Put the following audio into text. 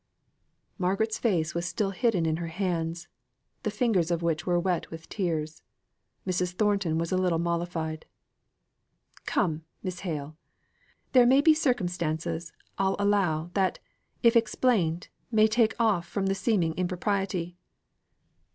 Margaret's face was still hidden in her hands, the fingers of which were wet with tears. Mrs. Thornton was a little mollified. "Come, Miss Hale. There may be circumstances, I'll allow, that, if explained, may take off from the seeming impropriety."